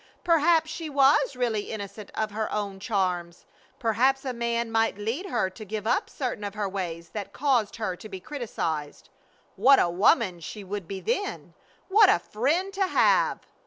Perhaps she was really innocent of her own charms. Perhaps a man might lead her to give up certain of her ways that caused her to be criticized. What a woman she would be then! What a friend to have!